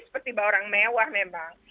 seperti bahwa orang mewah memang